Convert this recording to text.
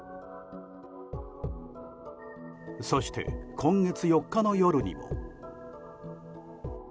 そして、今月４日の夜にも。